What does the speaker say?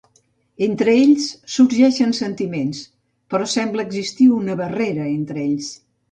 Entre ells sorgeixen sentiments, però sembla existir una barrera entre ells.